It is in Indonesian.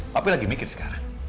papi lagi mikir sekarang